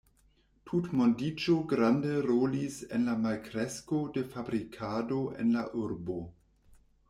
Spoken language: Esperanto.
Tutmondiĝo grande rolis en la malkresko de fabrikado en la urbo.